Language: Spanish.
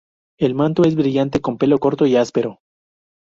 El manto es brillante con pelo corto y áspero.